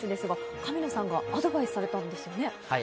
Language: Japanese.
神野さんがアドバイスをされたんですよね。